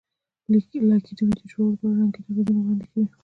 لایکي د ویډیو جوړولو لپاره رنګین اغېزونه وړاندې کوي.